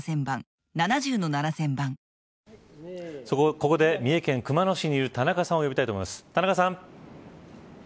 ここで三重県熊野市にいる田中さんを呼びたいと思います。